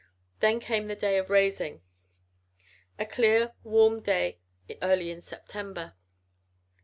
Then came the day of the raising a clear, warm day early in September.